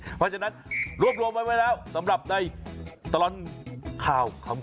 เพราะฉะนั้นรวบรวมไว้แล้วสำหรับในตลอดข่าวขำ